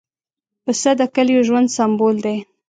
پسه د کلیو ژوند سمبول دی.